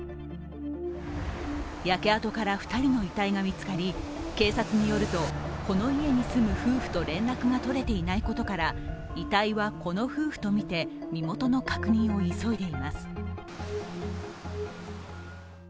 焼け跡から２人の遺体が見つかり、警察によると、この家に住む夫婦と連絡が取れていないことから遺体はこの夫婦とみて身元の確認を急いでいます。